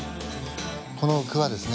このクワですね